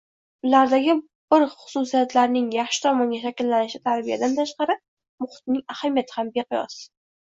Ulardagi bu xususiyatlarning yaxshi tomonga shakllanishida tarbiyadan tashqari, muhitning ahamiyati ham beqiyos